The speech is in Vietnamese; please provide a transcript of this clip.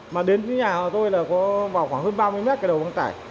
mà đến nhà của tôi là khoảng hơn ba mươi m cái đầu băng tải